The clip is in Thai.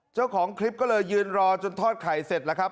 เจ้าของคลิปก็เลยยืนรอจนทอดไข่เสร็จแล้วครับ